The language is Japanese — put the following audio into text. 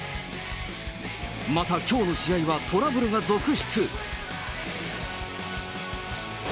また、きょうの試合はトラブルが続出。